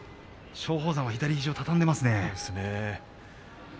松鳳山は左肘を畳んでいますね。